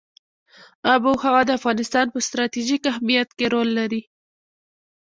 آب وهوا د افغانستان په ستراتیژیک اهمیت کې رول لري.